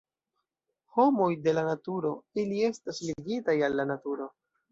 Homoj de la naturo, ili estas ligitaj al la naturo.